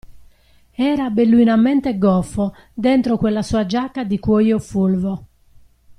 Era belluinamente goffo dentro quella sua giacca di cuoio fulvo.